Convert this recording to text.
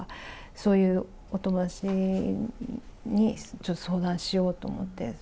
そういうお友達にちょっと相談しようと思って。